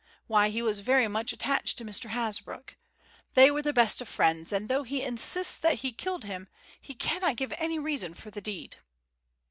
Why, he was very much attached to Mr. Hasbrouck! They were the best of friends, and though he insists that he killed him, he cannot give any reason for the deed."